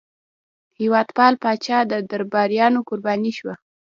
هېوادپال پاچا د درباریانو قرباني شو.